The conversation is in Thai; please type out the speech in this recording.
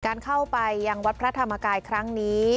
การเข้าไปยังวัดพระธรรมกายครั้งนี้